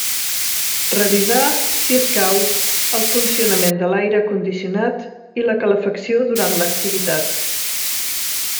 Revisar, si escau, el funcionament de l'aire condicionat i la calefacció durant l'activitat.